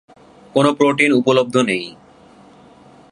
কোন প্রোটিন উপলব্ধ নেই।